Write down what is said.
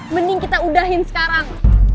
mending kita udahin sekarang